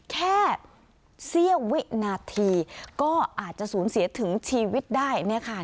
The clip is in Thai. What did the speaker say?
เสี้ยววินาทีก็อาจจะสูญเสียถึงชีวิตได้เนี่ยค่ะ